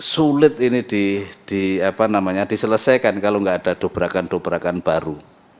sulit ini diselesaikan kalau nggak ada dobrakan dobrakan baru